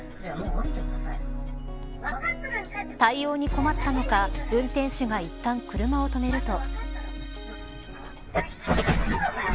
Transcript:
対応に困ったのか運転手がいったん車を止めると。